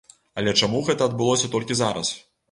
Але чаму гэта адбылося толькі зараз?